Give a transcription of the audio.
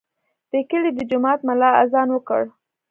د کلي د جومات ملا اذان وکړ.